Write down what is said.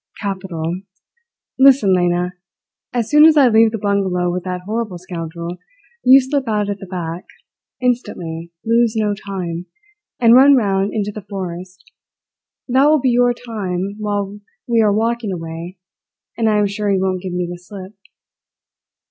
"Capital! Listen, Lena. As soon as I leave the bungalow with that horrible scoundrel, you slip out at the back instantly, lose no time! and run round into the forest. That will be your time, while we are walking away, and I am sure he won't give me the slip.